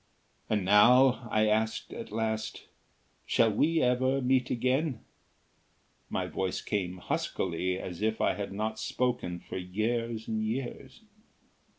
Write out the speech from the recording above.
"And now ..." I asked, at last, "shall we ever meet again?" My voice came huskily, as if I had not spoken for years and years.